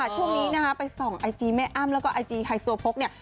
ช่วงนี้นะคะไปส่องไอจีแม่อ้ำแล้วก็ไอจีไฮโซโพกเนี่ย